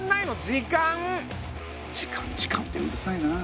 時間！時間時間ってうるさいな。